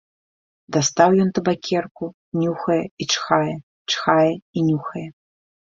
Дастаў ён табакерку, нюхае і чхае, чхае і нюхае.